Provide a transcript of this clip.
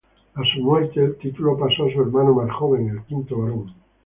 En su muerte el título pasó a su hermano más joven, el quinto Barón.